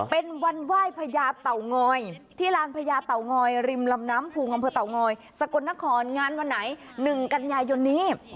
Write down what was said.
เป็นวันไหว้พญาเต่างอยที่ลานพญาเต่างอยริมลำน้ำพุงอำเภอเต่างอยสกลนครงานวันไหน๑กันยายนนี้